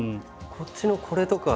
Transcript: こっちのこれとか。